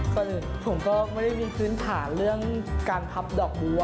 ตอนนึงผมก็ไม่ได้มีพื้นฐานเรื่องการผับดอกบู๋